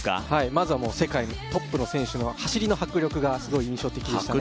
まずは世界トップの選手の走りの迫力が印象的でしたね